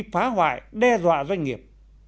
phá hoại đe dọa doanh nghiệp